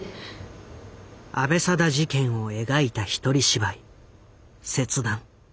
阿部定事件を描いた一人芝居「切断」。